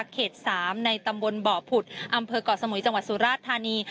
๓ในตำบลบ่อผุดอำเภอกเกาะสมุยจังหวัดสุราชธานี